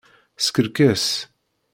Skerkes.